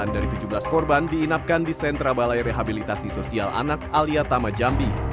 sembilan dari tujuh belas korban diinapkan di sentra balai rehabilitasi sosial anak alia tama jambi